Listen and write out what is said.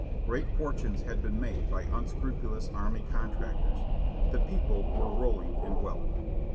Great fortunes had been made by unscru pulous army contractors ; the people were rolling in wealth.